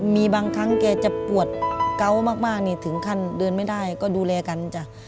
มีบางครั้งแกจะปวดเกาะมากนี่ถึงขั้นเดินไม่ได้ก็ดูแลกันจ้ะ